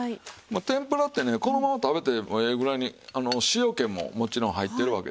天ぷらってねこのまま食べてもええぐらいに塩気ももちろん入ってるわけですからね。